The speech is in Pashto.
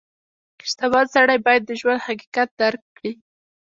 • شتمن سړی باید د ژوند حقیقت درک کړي.